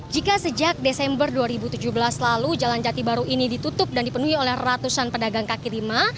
jika sejak desember dua ribu tujuh belas lalu jalan jati baru ini ditutup dan dipenuhi oleh ratusan pedagang kaki lima